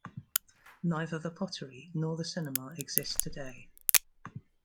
Neither the pottery nor the cinema exist today.